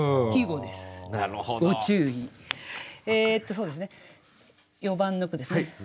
そうですね４番の句ですね。